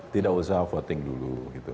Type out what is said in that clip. tidak usah voting dulu